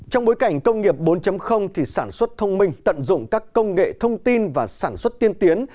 trong bối cảnh công nghiệp bốn thì sản xuất thông minh tận dụng các công nghệ thông tin và sản xuất tiên tiến